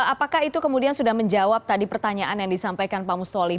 apakah itu kemudian sudah menjawab tadi pertanyaan yang disampaikan pak mustoli